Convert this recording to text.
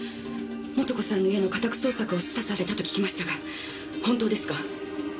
素子さんの家の家宅捜索を示唆されたと聞きましたが本当ですか？